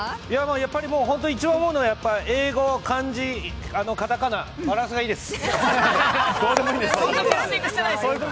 やっぱり一番思うのは英語・漢字・片仮名、バランスがいいです。